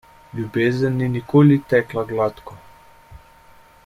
Ljubezen ni nikoli tekla gladko.